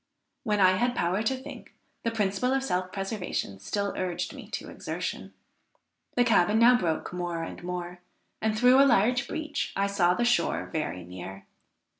When I had power to think, the principle of self preservation still urged me to exertion. The cabin now broke more and more, and through a large breach I saw the shore very near.